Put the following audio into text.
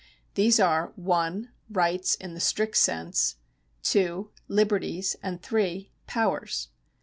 These are (1) Rights (in the strict sense), (2) Liberties, and (3) Powers.